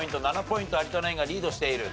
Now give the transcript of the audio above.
７ポイント有田ナインがリードしている。